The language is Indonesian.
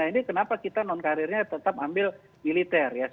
filipina ini kenapa kita non karirnya tetap ambil militer